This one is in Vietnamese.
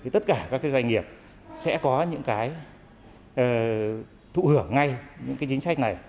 tất cả các doanh nghiệp sẽ có những cái thụ hưởng ngay những chính sách này